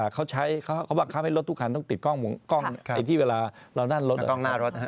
เขาบังคับให้รถทุกครั้งต้องติดกล้องไอ้ที่เวลาเรานั่นรถ